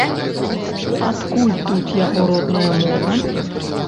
Адкуль тут яго родная мова?